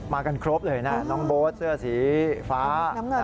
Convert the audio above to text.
กันครบเลยนะน้องโบ๊ทเสื้อสีฟ้า